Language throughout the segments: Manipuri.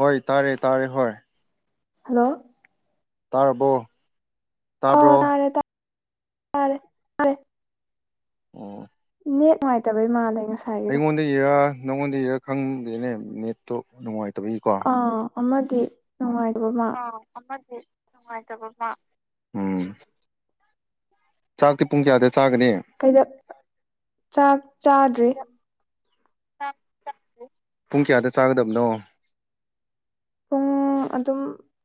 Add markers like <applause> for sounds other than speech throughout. ꯍꯣꯏ ꯇꯥꯔꯦ ꯇꯥꯔꯦ ꯍꯣꯏ ꯍꯜꯂꯣ ꯇꯥꯔꯕꯣ ꯑꯣ ꯇꯥꯕ꯭ꯔꯣ ꯇꯥꯔꯦ ꯇꯥꯔꯦ ꯇꯥꯔꯦ ꯑꯣ ꯅꯦꯠ ꯅꯨꯡꯉꯥꯏꯇꯕꯩ ꯃꯥꯜꯂꯦ ꯉꯁꯤ ꯑꯩꯉꯣꯟꯗꯩꯔ ꯅꯪꯉꯣꯟꯗꯩꯔꯥ ꯈꯪꯗꯦꯅꯦ ꯅꯦꯠꯇꯣ ꯅꯨꯡꯉꯥꯏꯇꯕꯩ ꯀꯣ ꯑꯥ ꯑꯃꯗꯤ ꯅꯨꯡꯉꯥꯏꯗꯕ ꯃꯥ <unintelligible> ꯑꯝ ꯆꯥꯛꯇꯤ ꯄꯨꯡ ꯀꯌꯥꯗ ꯆꯥꯒꯅꯤ ꯀꯩꯗ ꯆꯥꯛ ꯆꯥꯗ꯭ꯔꯤ ꯄꯨꯡ ꯀꯌꯥꯗ ꯆꯥꯒꯗꯕꯅꯣ ꯄꯨꯡ ꯑꯗꯨꯝ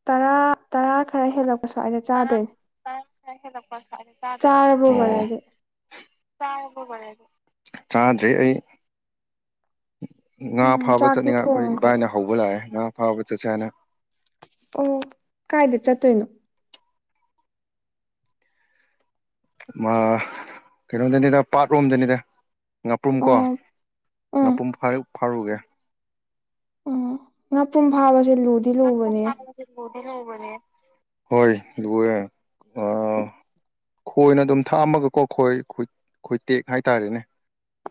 ꯇꯔꯥ ꯇꯔꯥ ꯈꯔ ꯍꯦꯜꯂꯛꯄ ꯁ꯭ꯋꯥꯏꯗ ꯆꯥꯗꯣꯏꯅꯦ ꯅꯤꯄꯥꯜ ꯃꯈꯥꯏ ꯍꯦꯜꯂꯛꯄ ꯁ꯭ꯋꯥꯏꯗ ꯆꯥꯗꯣꯏꯅꯤ ꯆꯥꯔꯕꯣ ꯑꯣ ꯑꯣ ꯕꯔꯗꯤ ꯆꯥꯔꯕꯣ ꯕꯔꯣꯗꯔꯗꯤ ꯆꯗꯔꯤ ꯑꯩ ꯉꯥ ꯎꯝ ꯐꯥꯕ ꯆꯥꯛꯇꯤ ꯆꯠꯅꯤꯡꯉꯥꯏ ꯑꯩꯈꯣꯏ ꯊꯣꯡꯈ꯭ꯔꯕ ꯏꯕꯥꯏꯅ ꯍꯧꯕ ꯂꯥꯛꯑꯦ ꯉꯥ ꯐꯥꯕ ꯆꯠꯁꯦ ꯍꯥꯏꯅ ꯑꯣ ꯀꯥꯏꯗ ꯆꯠꯇꯣꯏꯅꯣ ꯑ ꯀꯩꯅꯣꯗꯅꯤꯗ ꯄꯥꯠꯂꯣꯝꯗꯅꯤꯗ ꯉꯥꯄꯔꯨꯝ ꯑꯣ ꯀꯣ ꯎꯝ ꯉꯥꯄꯔꯨꯝ ꯐꯥꯔꯨꯒꯦ ꯎꯝ ꯉꯥꯄꯔꯨꯡ ꯐꯥꯕꯁꯦ ꯂꯨꯗꯦ ꯍꯣꯏ ꯂꯨꯏꯌꯦ ꯈꯣꯏꯅ ꯑꯗꯨꯝ ꯊꯥꯛꯑꯝꯃꯒꯀꯣ ꯈꯣꯏ ꯈꯣꯏꯇꯦꯛ ꯍꯥꯏꯇꯥꯔꯦꯅꯦ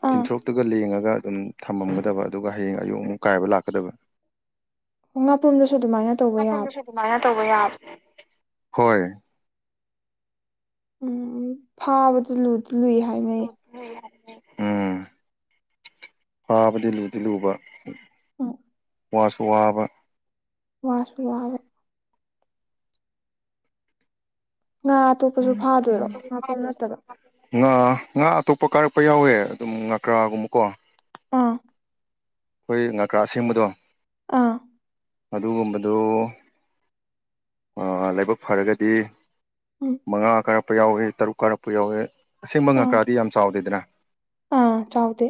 ꯑꯥ ꯇꯤꯟꯊꯣꯔꯣꯛꯇꯨꯒ ꯂꯦꯡꯉꯒ ꯑꯗꯨꯝ ꯊꯝꯃꯝꯒꯗꯕ ꯑꯗꯨꯒ ꯍꯌꯦꯡ ꯑꯌꯨꯛ ꯑꯃꯨꯛ ꯀꯥꯏꯕ ꯂꯥꯛꯀꯗꯕ ꯑꯣ ꯉꯥꯄ꯭ꯔꯨꯝꯗꯁꯨ ꯑꯗꯨꯃꯥꯏꯅ ꯇꯧꯕ ꯌꯥꯕ ꯉꯥꯄꯔꯨꯝꯗꯁꯨ ꯑꯗꯨꯃꯥꯏꯅ ꯇꯧꯕ ꯌꯥꯕꯔꯣ ꯍꯣꯏ ꯎꯝ ꯐꯥꯕꯗꯨ ꯂꯨꯗꯤ ꯂꯨꯏ ꯍꯥꯏꯅꯩꯌꯦ ꯎꯝ ꯐꯥꯕꯗꯤ ꯂꯨꯗꯤ ꯂꯨꯕ ꯑ ꯋꯥꯁꯨ ꯋꯥꯕ ꯋꯥꯁꯨ ꯋꯥꯕ ꯉꯥ ꯑꯇꯣꯞꯄꯁꯨ ꯐꯥꯗꯣꯏꯔꯣ ꯉꯥꯄ꯭ꯔꯨꯝ ꯅꯠꯇꯕ ꯉꯥ ꯉꯥ ꯑꯇꯣꯞꯄ ꯀꯥꯔꯛꯄ ꯌꯥꯎꯋꯦ ꯑꯗꯨꯝ ꯉꯥꯀ꯭ꯔꯥꯒꯨꯝꯕꯀꯣ ꯑꯥ ꯑꯩꯈꯣꯏ ꯉꯀ꯭ꯔꯥ ꯑꯁꯦꯡꯕꯗꯣ ꯑꯥ ꯑꯗꯨꯒꯨꯝꯕꯗꯨ ꯂꯥꯏꯕꯛ ꯐꯔꯒꯗꯤ ꯎꯝ ꯃꯉꯥ ꯀꯥꯔꯛꯄ ꯌꯥꯎꯏ ꯇꯔꯨꯛ ꯀꯥꯔꯛꯄ ꯌꯥꯎꯏ ꯑꯁꯦꯡꯕ ꯑꯥ ꯉꯪꯀ꯭ꯔꯥꯗꯤ ꯌꯥꯝ ꯆꯥꯎꯗꯦꯗꯅ ꯑꯥ ꯆꯥꯎꯗꯦ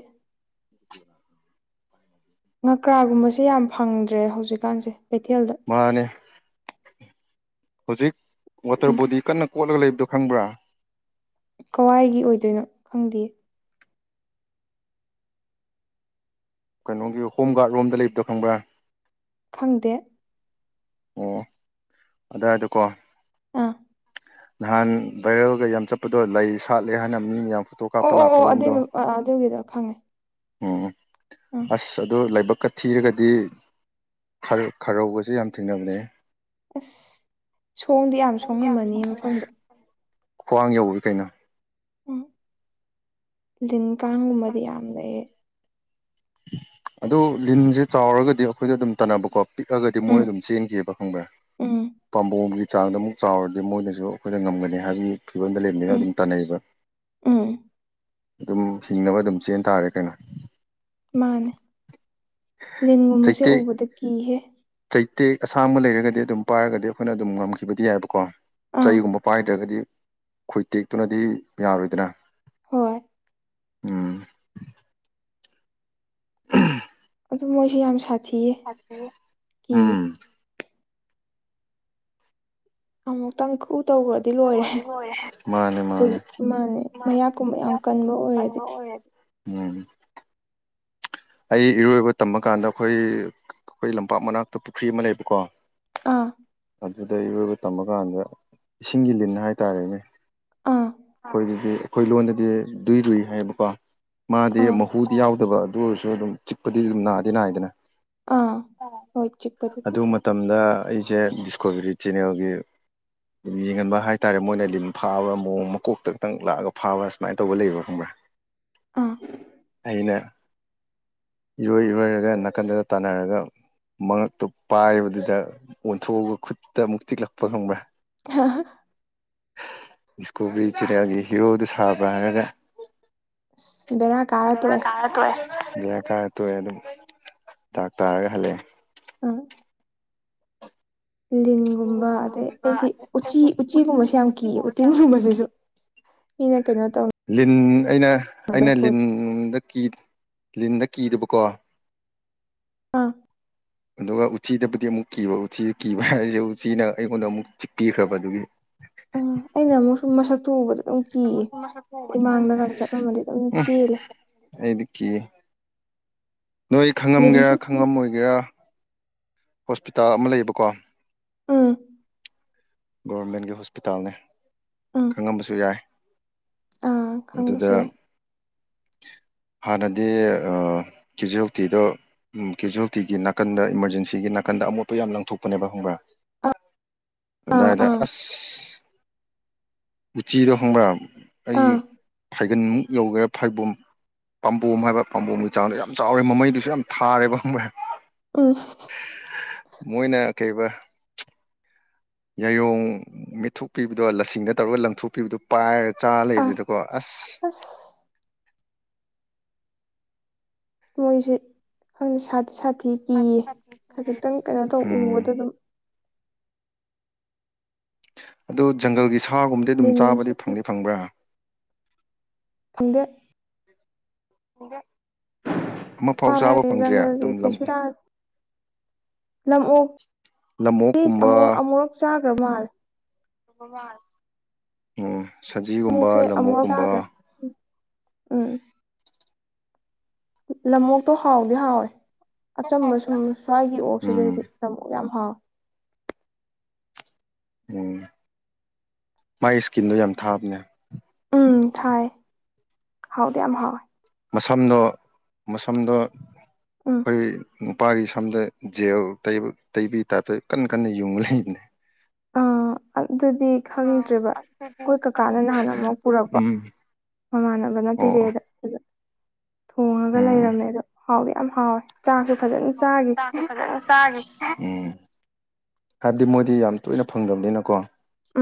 ꯉꯀ꯭ꯔꯥꯒꯨꯝꯕꯁꯦ ꯌꯥꯝ ꯐꯪꯗ꯭ꯔꯦ ꯍꯧꯖꯤꯛꯀꯥꯟꯁꯦ ꯀꯩꯊꯦꯜꯗ ꯃꯥꯅꯦ ꯍꯧꯖꯤꯛ ꯋꯥꯇꯔ ꯎꯝ ꯕꯣꯗꯤ ꯀꯟꯅ ꯀꯣꯠꯂꯒ ꯂꯩꯕꯗꯣ ꯈꯪꯕ꯭ꯔꯥ ꯀꯋꯥꯏꯒꯤ ꯑꯣꯏꯗꯣꯏꯅꯣ ꯈꯪꯗꯦ ꯀꯩꯅꯣꯒꯤ ꯍꯣꯝ ꯒꯥꯔꯗ ꯔꯣꯝꯗ ꯂꯩꯕꯗꯣ ꯈꯪꯕ꯭ꯔꯥ ꯈꯪꯗꯦ ꯑꯣ ꯑꯗꯨꯏꯗꯀꯣ ꯑꯥ ꯅꯍꯥꯟ ꯚꯥꯏꯔꯦꯜꯒ ꯌꯥꯝ ꯆꯠꯄꯗꯣ ꯂꯩ ꯁꯥꯠꯂꯦ ꯍꯥꯏꯅ ꯃꯤ ꯃꯌꯥꯝ ꯐꯣꯇꯣ ꯑꯣ ꯀꯥꯞꯄ ꯑꯣ ꯑꯣ ꯑꯗꯨꯏ ꯂꯥꯛꯄꯔꯣꯝꯗꯣ ꯑꯗꯨꯒꯤꯗꯣ ꯈꯪꯉꯦ ꯎꯝ ꯑꯥ ꯑꯁ ꯑꯗꯨ ꯂꯥꯏꯕꯛ ꯊꯤꯔꯒꯗꯤ ꯈꯔꯧꯒꯥꯁꯦ ꯌꯥꯝ ꯊꯦꯡꯅꯕꯅꯦ ꯑꯁ ꯁꯣꯡꯗꯤ ꯌꯥꯝ ꯁꯣꯡꯉꯝꯃꯅꯤ ꯃꯐꯝꯗꯣ ꯈ꯭ꯋꯥꯥꯡ ꯌꯥꯎꯋꯤ ꯀꯩꯅꯣ ꯎꯝ ꯂꯤꯟ ꯀꯥꯡꯒꯨꯝꯕꯗꯤ ꯌꯥꯝ ꯂꯩꯔꯦ ꯑꯗꯨ ꯂꯤꯟꯁꯦ ꯆꯥꯎꯔꯒꯗꯤ ꯑꯩꯈꯣꯏꯗ ꯑꯗꯨꯝ ꯇꯥꯟꯅꯕꯀꯣ ꯄꯤꯛꯑꯒꯗꯤ ꯃꯣꯏ ꯎꯝ ꯑꯗꯨꯝ ꯆꯦꯟꯈꯤꯕ ꯈꯪꯕ꯭ꯔꯥ ꯎꯝ ꯄꯥꯝꯕꯣꯝꯒꯤ ꯆꯥꯡꯗ ꯑꯃꯨꯛ ꯆꯥꯎꯔꯗꯤ ꯃꯣꯏꯅꯁꯨ ꯑꯩꯈꯣꯏꯗꯥ ꯉꯝꯒꯅꯤ ꯍꯥꯏꯕꯒꯤ ꯐꯤꯕꯝꯗ ꯂꯩꯕꯅꯤꯅ ꯎꯝ ꯑꯗꯨꯝ ꯇꯥꯟꯅꯩꯕ ꯎꯝ ꯑꯗꯨꯝ ꯍꯤꯡꯅꯕ ꯑꯗꯨꯝ ꯆꯦꯟ ꯇꯥꯔꯦ ꯀꯩꯅꯣ ꯃꯥꯅꯦ ꯂꯤꯟꯒꯨꯝꯕꯁꯦ ꯆꯩꯇꯦꯛ ꯎꯕꯗ ꯀꯤꯍꯦ ꯆꯩꯇꯦꯛ ꯑꯁꯥꯡꯕ ꯂꯩꯔꯒꯗꯤ ꯑꯗꯨꯝ ꯄꯥꯏꯔꯒꯗꯤ ꯑꯩꯈꯣꯏꯅ ꯑꯗꯨꯝ ꯉꯝꯈꯤꯕꯗꯤ ꯌꯥꯏꯕꯀꯣ ꯑꯥ ꯆꯩꯒꯨꯝꯕ ꯄꯥꯏꯗ꯭ꯔꯒꯗꯤ ꯈꯨꯣꯏ ꯇꯦꯛꯇꯨꯅꯗꯤ ꯌꯥꯔꯣꯏꯗꯅ ꯍꯣꯏ ꯎꯝ <unintelligible> ꯑꯗꯨ ꯃꯣꯏꯁꯤ ꯌꯥꯝ ꯁꯥꯠ ꯑꯨꯝ ꯑꯃꯨꯛꯇꯪ ꯒꯨ ꯇꯧꯒ꯭ꯔ ꯗꯤ ꯂꯣꯏꯔꯦ ꯃꯥꯅꯦ ꯃꯥꯅꯦ <unintelligible> ꯃꯌꯥꯀꯨꯝꯕ ꯌꯥꯝ ꯀꯟꯕ ꯑꯣꯏꯔꯗꯤ ꯎꯝ ꯑꯩ ꯏꯔꯣꯏꯕ ꯇꯝꯕ ꯀꯥꯟꯗ ꯑꯩꯈꯣꯏ ꯑꯩꯈꯣꯏ ꯂꯝꯄꯥꯛ ꯃꯅꯥꯛꯇ ꯄꯨꯈ꯭ꯔꯤ ꯑꯃ ꯂꯩꯕꯀꯣ ꯑꯥ ꯑꯗꯨꯗ ꯏꯔꯣꯏꯕ ꯇꯝꯃꯀꯥꯟꯗ ꯏꯁꯤꯡꯒꯤ ꯂꯤꯟ ꯍꯥꯏꯇꯥꯔꯦꯅꯦ ꯑꯥ ꯑꯩꯈꯣꯏꯗꯗꯤ ꯑꯩꯈꯣꯏ ꯂꯣꯟꯗꯗꯤ ꯨꯗꯨꯏ ꯂꯨꯏ ꯍꯥꯏꯌꯦꯕꯀꯣ ꯃꯥꯗꯤ ꯑꯥ ꯃꯍꯨꯗꯤ ꯌꯥꯎꯗꯕ ꯑꯗꯨ ꯑꯣꯏꯔ ꯑꯗꯨꯝ ꯆꯤꯛꯄꯗꯤ ꯑꯗꯨꯝ ꯅꯥꯗꯤ ꯅꯥꯏꯗꯅ ꯑꯥ ꯍꯣꯏ ꯆꯤꯛꯄꯗꯗꯤ ꯑꯗꯨꯃ ꯇꯝꯗ ꯑꯩꯁꯦ ꯗꯤꯁꯀꯣꯕꯔꯤ ꯆꯦꯅꯦꯜꯒꯤ ꯌꯦꯡꯍꯟꯕ ꯍꯥꯏꯇꯥꯔꯦ ꯃꯣꯏꯅ ꯂꯤꯟ ꯐꯥꯕ ꯃꯑꯣꯡ ꯃꯀꯣꯛꯇ ꯈꯛꯇꯪ ꯂꯥꯛꯑꯒ ꯐꯥꯕ ꯁꯨꯃꯥꯏꯅ ꯇꯧꯕ ꯂꯩꯕ ꯈꯪꯕ꯭ꯔꯥ ꯑꯨ ꯑꯩꯅ ꯏꯔꯣꯏ ꯏꯔꯣꯏꯔꯒ ꯅꯥꯀꯟꯗꯗ ꯇꯥꯟꯅꯔꯒ ꯃꯉꯛꯇꯣ ꯄꯥꯏꯕꯗꯨꯗ ꯑꯣꯟꯊꯣꯛꯑꯒ ꯈꯨꯠꯇ ꯑꯃꯨꯛ ꯆꯤꯛꯂꯛꯄ ꯈꯪꯕ꯭ꯔ <unintelligible> ꯗꯤ꯭ꯁꯀ꯭ꯔꯣꯕꯦꯔꯤ ꯆ‌ꯦꯅ‌ꯦꯜꯒꯤ ꯍꯤꯔꯣꯗꯨ ꯁꯥꯕ꯭ꯔꯥ ꯍꯥꯏꯔꯒ ꯑꯁ ꯕꯦꯔꯥ ꯀꯥꯔ ꯕꯦꯔꯥ ꯇꯣꯛꯑꯦ ꯀꯔꯥ ꯇ‌ꯣꯛꯌ‌ꯦ <unintelligible> ꯌꯔ ꯇꯣꯛꯑꯦ ꯑꯗꯨꯝ ꯗꯥꯛ ꯇꯥꯔꯒ ꯍꯜꯂꯛꯑꯦ ꯎꯝ ꯑꯩꯗꯤ ꯂꯤꯟꯒꯨꯝꯕ ꯑꯗꯩ ꯑꯩꯗꯤ ꯎꯆꯤ ꯎꯆꯤꯒꯨꯝꯕꯁꯦ ꯌꯥꯝ ꯀꯤꯌꯦ ꯎꯇꯤꯟꯒꯨꯝꯕꯁꯤꯁꯨ ꯃꯤꯅ ꯀꯩꯅꯣ ꯂꯤꯟ ꯑꯩꯅ ꯇꯧꯅꯗꯕ ꯑꯩꯅ ꯄꯣꯠꯁꯦ ꯂꯤꯟꯒꯨꯝꯕꯗ ꯀꯤ ꯂꯤꯟꯗ ꯀꯤꯗꯕꯀꯣ ꯑꯥ ꯑꯗꯨꯒ ꯎꯆꯤꯗꯕꯨꯗꯤ ꯑꯃꯨꯛ ꯀꯤꯕ ꯎꯆꯤꯗ ꯀꯤꯕ ꯑꯩꯁꯨ ꯎꯆꯤꯅ ꯑꯩꯉꯣꯟꯗ ꯑꯃꯨꯛ ꯆꯤꯛꯄꯤꯈ꯭ꯔꯕ ꯑꯗꯨꯒꯤ ꯑ ꯑꯩꯅ ꯑꯃꯨꯛꯁꯨ ꯃꯁꯛ ꯇꯨ ꯎꯕꯗ ꯀꯤꯌꯦ ꯏꯃꯥꯡꯗꯒ ꯆꯠꯂꯝꯃꯗꯤ ꯑꯗꯨꯝ ꯎꯝ ꯆꯦꯜꯂꯦ ꯑꯩꯗꯤ ꯀꯤꯌ‌ꯦ ꯅꯣꯏ ꯂꯤꯟꯁꯨ ꯈꯪꯉꯝꯒꯦꯔꯥ ꯀꯤ ꯈꯪꯉꯝꯃ‌ꯣꯏꯒꯦꯔꯥ ꯍꯣꯁꯄꯤꯇꯥꯜ ꯑꯃ ꯂꯩꯌꯦꯕꯀꯣ ꯎꯝ ꯒꯣꯔꯃꯦꯟꯒꯤ ꯍꯣꯁꯄꯤꯇꯥꯜꯅꯦ ꯎꯝ ꯈꯪꯉꯝꯕꯁꯨ ꯌꯥꯏ ꯑꯥ ꯈꯪꯕꯁꯨ ꯑꯗꯨꯗ ꯌꯥꯏ ꯍꯥꯟꯅꯗꯤ ꯑ ꯀꯦꯖꯨꯋꯦꯜꯇꯤꯗꯣ ꯎꯝ ꯀꯦꯖꯨꯋ‌ꯦꯜꯇꯤꯒꯤ ꯅꯥꯀꯟꯗ ꯏꯃꯥꯔꯖꯦꯟꯁꯤꯒꯤ ꯅꯥꯀꯟꯗ ꯑꯃꯣꯠꯄ ꯌꯥꯝ ꯂꯪꯊꯣꯛꯄꯅꯦꯕ ꯈꯪꯕ꯭ꯔꯥ ꯑꯥ ꯑꯥ ꯑꯗꯥꯏꯗ ꯑꯥ ꯑꯁ ꯎꯆꯤꯗꯣ ꯈꯪꯕ꯭ꯔꯥ ꯑꯩ ꯑꯥ ꯐꯥꯏꯒꯟꯃꯨꯛ ꯌꯧꯒꯦꯔ ꯐꯥꯏꯕꯣꯝ ꯄꯥꯝꯕꯣꯝ ꯍꯥꯏꯕ ꯄꯥꯝꯕꯣꯝꯒꯤ ꯆꯥꯡꯗ ꯌꯥꯝ ꯆꯥꯎꯔꯦ ꯃꯃꯩꯗꯨꯁꯨ ꯌꯥꯝ ꯊꯥꯔꯦꯕ ꯎꯝ ꯃꯣꯏꯅ ꯀꯩꯕ ꯌꯥꯏꯌꯣꯡ ꯃ‌ꯦꯠꯊꯣꯛꯄꯤꯕꯗꯣ ꯂꯁꯤꯡꯗ ꯇꯧꯔꯒ ꯂꯪꯊꯣꯛꯄꯤꯕꯗꯣ ꯄꯥꯏꯔ ꯆꯥ ꯑꯥ ꯂꯩꯕꯤꯗ‌ꯣꯀꯣ ꯑꯁ ꯃꯣꯏꯁꯦ ꯈꯪꯗ‌ꯦ ꯁꯥꯠ ꯁꯥꯊꯤ ꯀꯤꯌꯦ ꯈꯖꯤꯛꯇꯪ ꯀꯩꯅꯣ ꯇꯧ ꯎꯝ ꯎꯕꯗ ꯑꯗꯨꯝ ꯑꯗꯨ ꯖꯪꯒꯜꯒꯤ ꯁꯥꯒꯨꯝꯕꯗꯤ ꯑꯗꯨꯝ ꯂꯤꯟꯁꯨ ꯆꯥꯕꯗꯤ ꯀꯤ ꯐꯪꯗꯤ ꯐꯪꯕ꯭ꯔꯥ ꯐꯪꯗ‌ꯦ <unintelligible> ꯑꯃꯐꯥꯎ ꯆꯥꯕ ꯆꯥꯗꯦ ꯐꯪꯗ꯭ꯔꯦ ꯖꯪꯒꯜꯒꯤ ꯑꯗꯨꯝ ꯂꯝ ꯀꯩꯁꯨ ꯆꯥ ꯂꯝꯑꯣꯛ ꯇꯤ ꯂꯝꯑꯣꯛꯀꯨꯝꯕ ꯑꯃꯨ ꯑꯃꯨꯔꯛ ꯆꯥꯒ꯭ꯔꯥ ꯃꯥꯜꯂꯦ ꯑꯣ ꯁꯖꯤꯒꯨꯝꯕ ꯂꯝꯑꯣꯛꯁꯦ ꯑꯃꯨꯔꯛ ꯂꯝꯑꯣꯛꯀꯨꯝꯕ ꯆꯥꯈ꯭ꯔꯦ ꯎꯝ ꯂꯝꯑꯣꯛꯇꯣ ꯍꯥꯎꯗꯤ ꯍꯥꯎꯋꯦ ꯑꯆꯝꯕꯁꯨ__ ꯎꯝ ꯁ꯭ꯋꯥꯏꯒꯤ ꯑꯣꯛꯁꯤꯗꯩꯗꯤ ꯎꯝ ꯂꯝꯑꯣꯛ ꯌꯥꯝ ꯍꯥꯎꯋꯦ ꯎꯝ ꯃꯥꯥꯏ ꯏꯁꯀꯤꯟꯗꯣ ꯌꯥꯝ ꯊꯥꯕꯅꯦ ꯎꯝ ꯊꯥꯏ ꯍꯥꯎꯗꯤ ꯌꯥꯝ ꯍꯥꯎꯋꯦ ꯃꯁꯝꯗꯣ ꯃꯁꯝꯗꯣ ꯎꯝ ꯈꯣꯏꯒꯤ ꯅꯨꯄꯥꯒꯤ ꯁꯝꯗ ꯖꯦꯜ ꯇꯩꯕ ꯇꯩꯕꯤ ꯇꯥꯏꯞꯇ ꯀꯟꯅ ꯀꯟꯅ ꯌꯨꯡꯉ ꯂꯩꯕꯅꯦ ꯑꯥ ꯑꯗꯨꯗꯤ ꯈꯪꯗ꯭ꯔꯤꯕ ꯑꯩꯈꯣꯏ ꯀꯀꯥꯅ ꯅꯍꯥꯟ ꯑꯃꯨꯛ ꯄꯨꯔꯛꯄ ꯎꯝ ꯃꯃꯥꯟꯅꯕꯅ ꯑꯣ ꯄꯤꯔ‌ꯦꯗ ꯑꯗ ꯊꯣꯡꯉꯒ ꯎꯝ ꯂꯩꯔꯝꯃꯦ ꯑꯗꯣ ꯍꯥꯎꯗꯤ ꯌꯥꯝ ꯍꯥꯎꯋꯦ ꯆꯥꯛꯁꯨ ꯐꯖꯅ ꯆꯥꯒꯤ ꯆꯥꯒꯤ ꯎꯝ ꯍꯥꯏꯕꯗꯤ ꯃꯣꯏꯗꯤ ꯌꯥꯝ ꯇꯣꯏꯅ ꯐꯪꯗꯕꯅꯤꯅꯀꯣ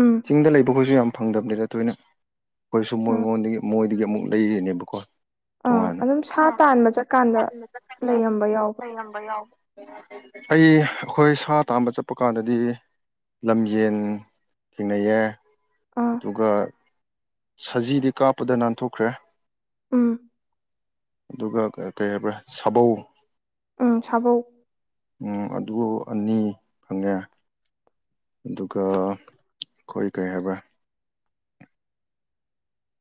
ꯎꯝ ꯆꯤꯡꯗ ꯂꯩꯕꯈꯣꯏꯁꯨ ꯌꯥꯝ ꯐꯪꯗꯝꯅꯤꯗ ꯇꯣꯏꯅ ꯑꯩꯈꯣꯏꯁꯨ ꯎꯝ ꯃꯣꯏꯉꯣꯟꯗꯒꯤ ꯃꯣꯏꯗꯒꯤ ꯑꯃꯨꯛ ꯂꯩꯔꯤꯅꯦꯕꯀꯣ ꯑꯥ ꯇꯣꯉꯥꯟꯅ ꯑꯗꯨꯝ ꯁꯥ ꯇꯥꯟꯕ ꯆꯠꯀꯥꯟꯗ ꯂꯩꯔꯝꯕ ꯌꯥꯎꯕ꯭ꯔꯥ ꯑꯩ ꯑꯩꯈꯣꯏ ꯁꯥ ꯇꯥꯟꯕ ꯆꯞ ꯄ ꯀꯥꯟꯗꯗꯤ ꯂꯝ ꯌꯦꯟ ꯊꯦꯡꯅꯩꯌꯦ ꯑꯥ ꯑꯗꯨꯒ ꯁꯖꯤꯗꯤ ꯀꯥꯞꯄꯗ ꯅꯥꯟꯊꯣꯛꯈ꯭ꯔꯦ ꯎꯝ ꯑꯗꯨꯒ ꯀꯩ ꯀꯩ ꯍꯥꯏꯕ꯭ꯔꯥ ꯁꯥꯕꯧ ꯎꯝ ꯁꯕꯧ ꯎꯝ ꯑꯗꯨ ꯑꯅꯤ ꯐꯪꯉꯦ ꯑꯗꯨꯒ ꯑꯩꯈꯣꯏ ꯀꯩ ꯍꯥꯏꯕ꯭ꯔꯥ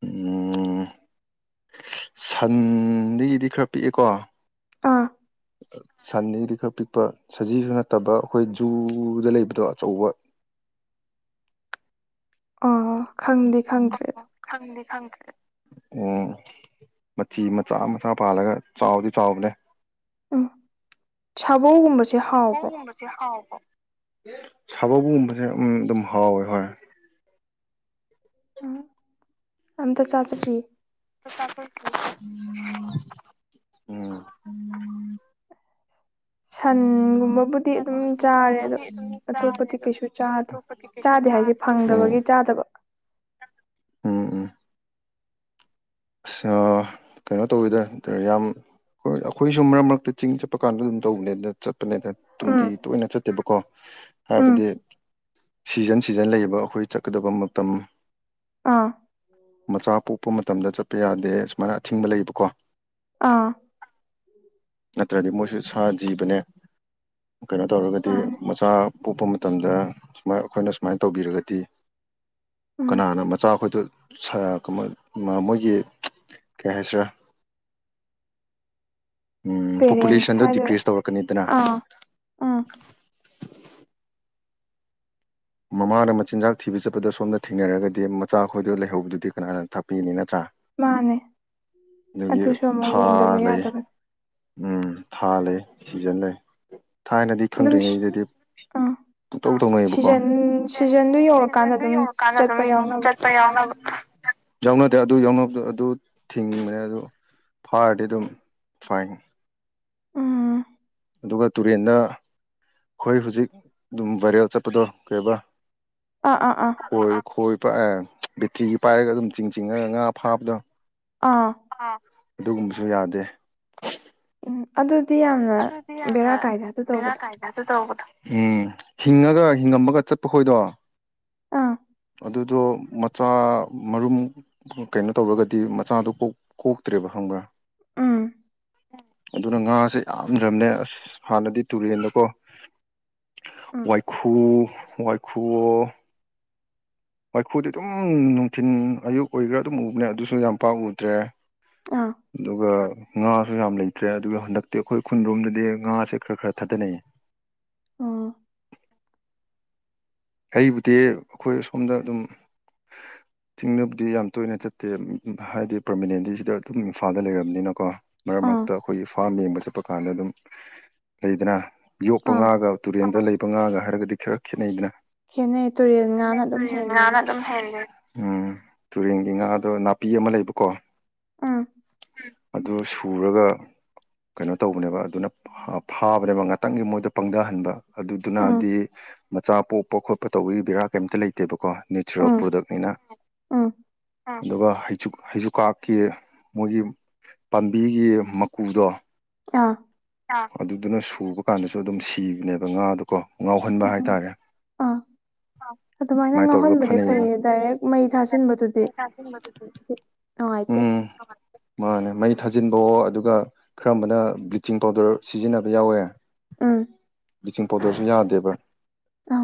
ꯎꯝ ꯁꯟꯗꯩꯗꯤ ꯈꯔ ꯄꯤꯛꯑꯦꯀꯣ ꯑꯥ ꯁꯟꯗꯩꯗꯤ ꯈꯔ ꯄꯤꯛꯄ ꯁꯖꯤꯁꯨ ꯅꯠꯇꯕ ꯑꯩꯈꯣꯏ ꯖꯨꯗ ꯂꯩꯕꯗꯣ ꯑꯆꯧꯕ ꯑꯥ ꯈꯪꯗꯤ ꯈꯪꯗ꯭ꯔꯦ ꯑꯗꯣ ꯈꯪꯗꯤ ꯈꯪꯗ꯭ꯔꯦ ꯎꯝ ꯃꯆꯤ ꯃꯆꯥ ꯃꯆꯥ ꯄꯥꯜꯂꯒ ꯆꯥꯎꯗꯤ ꯆꯥꯎꯕꯅꯦ ꯎꯝ ꯁꯥꯕꯧꯒꯨꯝꯕꯁꯦ ꯍꯥꯎꯕ꯭ꯔꯣ ꯁꯥꯕꯧꯒꯨꯝꯕꯁꯦ ꯍꯥꯎꯕ꯭ꯔꯣ ꯁꯥꯕꯧꯒꯨꯝꯕꯁꯦ ꯎꯝ ꯑꯗꯨꯝ ꯍꯥꯎꯋꯦ ꯍꯣꯏ ꯎꯝ ꯑꯝꯇ ꯆꯥꯠꯆ ꯗ꯭ꯔꯤ ꯎꯝ ꯁꯟꯒꯨꯝꯕꯕꯨꯗꯤ ꯑꯗꯨꯝ ꯆꯥꯔꯦ ꯑꯗꯣ ꯑꯇꯣꯞꯄꯗꯤ ꯀꯩꯁꯨ ꯆꯥꯗꯦ ꯆꯥꯗꯦ ꯍꯥꯏꯗꯤ ꯎꯝ ꯐꯪꯗꯕꯒꯤ ꯆꯥꯗꯕ ꯎꯝ ꯎꯝ ꯑꯁ ꯑꯣ ꯀꯩꯅꯣ ꯇꯧꯋꯤꯗ ꯅꯇ ꯌꯥꯝ ꯍꯣꯏ ꯑꯩꯈꯣꯏꯁꯨ ꯃꯔꯛ ꯃꯔꯛꯇ ꯆꯤꯡ ꯆꯠꯄ ꯀꯥꯟꯗ ꯑꯗꯨꯝ ꯇꯧꯕꯅꯦꯅ ꯆꯠꯄꯅꯦꯗ ꯇꯨꯡꯇꯤ ꯎꯝ ꯇꯣꯏꯅ ꯆꯠꯇꯦꯕꯀꯣ ꯎꯝ ꯍꯥꯏꯕꯗꯤ ꯁꯤꯖꯟ ꯁꯤꯖꯟ ꯂꯩꯌꯦꯕ ꯑꯩꯈꯣꯏ ꯆꯠꯀꯗꯕ ꯃꯇꯝ ꯑꯥ ꯃꯆꯥ ꯄꯣꯛꯄ ꯃꯇꯝꯗ ꯆꯠꯄ ꯌꯥꯗꯦ ꯁꯨꯃꯥꯏꯅ ꯑꯊꯤꯡꯕ ꯂꯩꯕꯀꯣ ꯑꯥ ꯅꯠꯇ꯭ꯔꯗꯤ ꯃꯣꯏꯁꯨ ꯁꯥ ꯖꯤꯕꯅꯦ꯫ ꯀꯩꯅꯣ ꯇꯧꯔꯒꯗꯤ ꯃꯆꯥ ꯄꯣꯛꯄ ꯃꯇꯝꯗ ꯁꯨꯃꯥꯏ ꯑꯩꯈꯣꯏꯅ ꯁꯨꯃꯥꯏꯟ ꯇꯧꯕꯤꯔꯒꯗꯤ ꯎꯝ ꯀꯅꯥꯅ ꯃꯆꯥꯈꯣꯏꯗꯣ ꯁ ꯀꯃ ꯃ ꯃꯣꯏꯒꯤ ꯀꯩ ꯍꯥꯏꯁꯤꯔꯥ ꯎꯝ ꯄꯦꯔꯦꯟꯁ ꯄꯣꯄꯨꯂꯦꯁꯟꯗꯣ ꯍꯥꯏꯗꯣꯏꯔ ꯗꯤꯀ꯭ꯔꯤꯁ ꯇꯧꯔꯛꯀꯅꯤꯗꯅ ꯑꯥ ꯎꯝ ꯃꯃꯥꯅ ꯃꯆꯤꯟꯖꯥꯛ ꯊꯤꯕ ꯆꯠꯄꯗ ꯁꯣꯝꯗ ꯊꯦꯡꯅꯔꯒꯗꯤ ꯃꯆꯥ ꯑꯩꯈꯣꯏꯗꯣ ꯂꯩꯍꯧꯕꯗꯨꯗꯤ ꯀꯅꯥꯅ ꯊꯥꯛꯄꯤꯒꯅꯤ ꯅꯠꯇ꯭ꯔꯥ ꯃꯥꯅꯦ ꯑꯗꯨꯒꯤ ꯑꯗꯨꯁꯨ ꯑꯃꯨꯛ ꯊꯥ ꯌꯦꯡꯗꯕ ꯂꯩꯌꯦ꯫ ꯌꯥꯗꯕꯅꯤ ꯎꯝ ꯊꯥ ꯂꯩꯌꯦ ꯁꯤꯖꯟ ꯂꯩ꯫ ꯊꯥꯏꯅꯗꯤ ꯑꯗꯨꯝ ꯁꯤ- ꯈꯪꯗ꯭ꯔꯤꯉꯩꯗꯗꯤ ꯑꯥ ꯄꯨ ꯇꯧ ꯇꯧꯅꯩꯌꯦꯕꯀꯣ ꯁꯤꯖꯟ ꯁꯤꯖꯟꯗꯨ <unintelligible> ꯌꯧꯔꯀꯥꯟꯗ ꯁꯤꯖꯟꯗꯨ ꯑꯗꯨꯝ ꯌꯧꯔꯀꯥꯟꯗ ꯑꯗꯨꯝ ꯆꯠꯄ ꯌꯥꯎꯅꯕ ꯆꯠꯄ ꯌꯥꯎꯅꯗꯦ ꯑꯗꯨ ꯌꯥꯎꯅꯕꯗꯣ ꯑꯗꯨ ꯊꯤꯡꯕꯅꯦ ꯑꯗꯨ ꯐꯥꯔꯗꯤ ꯑꯗꯨꯝ ꯐꯥꯏꯟ꯫ ꯎꯝ ꯑꯗꯨꯒ ꯇꯨꯔꯦꯟꯗ ꯑꯩꯈꯣꯏ ꯍꯧꯖꯤꯛ ꯑꯗꯨꯝ ꯕꯥꯏꯔꯦꯜ ꯆꯠꯄꯗꯣ ꯀꯔꯦꯕ ꯑꯥ ꯑꯥ ꯑꯥ ꯈꯣꯏ ꯈꯣꯏ ꯄꯑꯦ ꯕꯦꯠꯇ꯭ꯔꯤꯒꯤ ꯄꯥꯏꯔꯒ ꯑꯗꯨꯝ ꯆꯤꯡ ꯆꯤꯡꯉꯒ ꯉꯥ ꯐꯥꯕꯗꯣ ꯑꯥ ꯑꯗꯨꯒꯨꯝꯕꯁꯨ ꯌꯥꯗꯦ꯫ ꯎꯝ ꯑꯗꯨꯗꯤ ꯌꯥꯝꯅ ꯕꯦꯔꯥ ꯀꯥꯏꯗꯦ ꯑꯗꯨ ꯇꯧꯕꯗꯣ꯫ ꯎꯝ ꯍꯤꯡꯉꯒ ꯍꯤꯡꯉꯝꯃꯒ ꯆꯠꯄ ꯈꯣꯏꯗꯣ ꯑ ꯑꯗꯨꯗꯣ ꯃꯆꯥ ꯃꯔꯨꯝ ꯀꯩꯅꯣ ꯇꯧꯔꯒꯗꯤ ꯃꯆꯥꯗꯨ ꯀꯣꯛ ꯀꯣꯛꯇ꯭ꯔꯦꯕ ꯈꯪꯕ꯭ꯔꯥ ꯎꯝ ꯑꯗꯨꯅ ꯉꯥꯁꯦ ꯌꯥꯝꯗ꯭ꯔꯕꯅꯦ ꯑꯁ ꯍꯥꯟꯅꯗꯤ ꯇꯨꯔꯦꯟꯗꯀꯣ ꯎꯝ ꯋꯥꯏꯈꯨ ꯋꯥꯏꯈꯨꯋꯣ ꯋꯥꯏꯈꯨꯗꯤ ꯑꯗꯨꯝ ꯅꯨꯡꯊꯤꯟ ꯑꯌꯨꯛ ꯑꯣꯏꯒꯦꯔꯥ ꯑꯗꯨꯝ ꯎꯕꯅꯦ ꯑꯗꯨꯁꯨ ꯌꯥꯝ ꯄꯥꯛ ꯎꯗ꯭ꯔꯦ ꯑꯥ ꯑꯗꯨꯒ ꯉꯥꯁꯨ ꯌꯥꯝ ꯂꯩꯇ꯭ꯔꯦ ꯑꯗꯨꯒ ꯍꯟꯗꯛꯇꯤ ꯑꯩꯈꯣꯏ ꯈꯨꯟꯔꯣꯝꯗꯗꯤ ꯉꯥꯁꯦ ꯈꯔ ꯈꯔ ꯊꯥꯗꯅꯩꯌꯦ꯫ ꯑꯣꯥ ꯑꯩꯕꯨꯗꯤ ꯑꯩꯈꯣꯏ ꯑꯁꯣꯝꯗ ꯑꯗꯨꯝ <inaudible> ꯆꯤꯡꯗꯕꯨꯗꯤ ꯌꯥꯝ ꯇꯣꯏꯅ ꯆꯠꯇꯦ ꯍꯥꯏꯗꯤ ꯄꯔꯃꯤꯅꯦꯟꯗꯤ ꯁꯤꯗ ꯑꯗꯨꯝ ꯏꯝꯐꯥꯜꯗ ꯂꯩꯔꯕꯅꯤꯅꯀꯣ ꯃꯔꯛ ꯑꯥ ꯃꯔꯛꯇ ꯑꯩꯈꯣꯏꯒꯤ ꯐꯥꯝ ꯌꯦꯡꯕ ꯆꯠꯄ ꯀꯥꯟꯗ ꯑꯗꯨꯝ ꯂꯩꯗꯅ ꯌꯣꯛꯄ ꯑꯥ ꯉꯥꯒ ꯇꯨꯔꯦꯟꯗ ꯂꯩꯕ ꯉꯥꯒ ꯍꯥꯏꯔꯒꯗꯤ ꯈꯔ ꯈꯦꯠꯅꯩꯗꯅ꯫ ꯈꯦꯠꯅꯩ ꯇꯨꯔꯦꯜ ꯉꯥꯅ ꯑꯗꯨꯝ ꯍꯦꯟꯗꯦꯗ꯫ ꯎꯝ ꯇꯨꯔꯦꯟꯒꯤ ꯉꯥꯗꯣ ꯅꯥꯄꯤ ꯑꯃ ꯂꯩꯕꯀꯣ ꯎꯝ ꯑꯗꯨ ꯁꯨꯔꯒ ꯀꯩꯅꯣ ꯇꯧꯕꯅꯦꯕ ꯑꯗꯨꯅ ꯐꯥ ꯐꯥꯕꯅꯦꯕ ꯉꯥꯛꯇꯪꯒꯤ ꯃꯣꯏꯗ ꯄꯪꯊꯍꯟꯕ ꯎꯝ ꯑꯗꯨꯗꯨꯅꯗꯤ ꯃꯆꯥ ꯄꯣꯛꯄ ꯈꯣꯠꯄ ꯇꯧꯕ ꯕꯦꯔꯥ ꯀꯩꯝꯇ ꯂꯩꯇꯦ ꯇꯦꯕꯥꯀꯣ ꯅꯦꯆ꯭ꯔꯦꯜ ꯎꯝ ꯄꯥꯔꯗꯥꯛꯅꯤꯅ ꯎꯝ ꯑꯗꯨꯒ ꯍꯩꯁꯨ ꯍꯩꯁꯨꯀꯥꯛꯀꯤ ꯃꯣꯏꯒꯤ ꯄꯥꯝꯕꯤꯒꯤ ꯃꯀꯨꯗꯣ ꯑꯥ ꯑꯗꯨꯗꯨꯅ ꯁꯨꯕ ꯀꯥꯟꯗꯁꯨ ꯑꯗꯨꯝ ꯁꯤꯕꯅꯦꯕ ꯉꯥꯗꯣ ꯀꯣ ꯉꯥꯎꯍꯟꯕ ꯎꯝ ꯍꯥꯏꯇꯥꯔꯦ ꯑꯥ ꯑꯗꯨꯃꯥꯏꯅ ꯑꯗꯨꯃꯥꯢ ꯇꯧꯔꯒ ꯉꯥꯎꯍꯟꯕꯗꯤ ꯐꯥꯅꯤꯡꯕ ꯐꯩꯌꯦ ꯗꯥꯏꯔꯦꯛ ꯃꯩ ꯊꯥꯖꯤꯟꯕꯗꯨꯗꯤ ꯅꯨꯡꯉꯥꯏꯇꯦ ꯎꯝ ꯃꯥꯅꯦ ꯃꯩ ꯊꯥꯖꯤꯟꯕꯧ ꯑꯗꯨꯒ ꯈꯔ ꯑꯃꯅ ꯕ꯭ꯂꯤꯆꯤꯡ ꯄꯥꯎꯗꯔ ꯁꯤꯖꯤꯟꯅꯕ ꯌꯥꯎꯋꯦ ꯎꯝ ꯕ꯭ꯂꯤꯁꯤꯡ ꯄꯥꯎꯗꯔꯁꯨ ꯌꯥꯗꯦꯕ ꯑꯣ